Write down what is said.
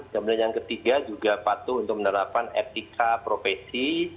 kemudian yang ketiga juga patuh untuk menerapkan etika profesi